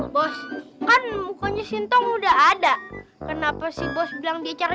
bos kan mukanya sintong udah ada kenapa si bos bilang dia cara